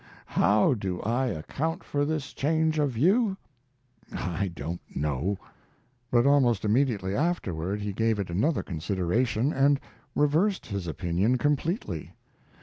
How do I account for this change of view? I don't know." But almost immediately afterward he gave it another consideration and reversed his opinion completely.